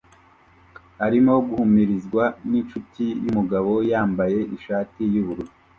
arimo guhumurizwa ninshuti yumugabo yambaye ishati yubururu